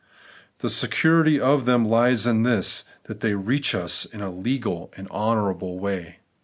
The security for them lies in this, that they reach us in a legal and honourable way.